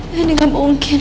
ini tidak mungkin